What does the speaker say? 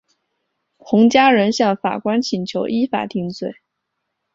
洪家人向法官请求依法定罪。